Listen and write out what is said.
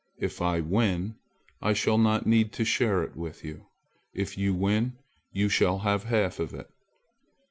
If I win, I shall not need to share it with you. If you win, you shall have half of it."